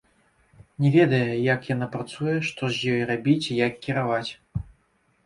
Не ведае, як яна працуе, што з ёй рабіць і як кіраваць.